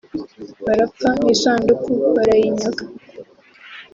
barapfa n’isanduku barayinyaga